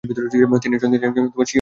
তিনি একজন সু-অভিনেত্রীও ছিলেন।